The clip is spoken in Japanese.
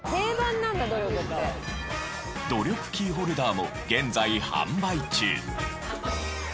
努力キーホルダーも現在販売中。